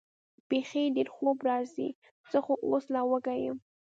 بېخي ډېر خوب راځي، زه خو اوس لا وږی یم.